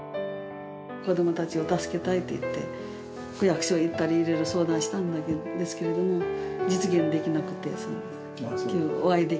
子どもたちを助けたいっていって、区役所行ったり、いろいろ相談したんですけど、実現できなくて。